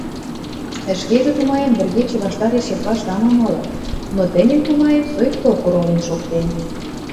Ӹшкежӹ, тумаем, вӹргечӹ ваштареш йыдвашт ам амалы, но тӹньӹм, тумаем, соикток оролен шоктем.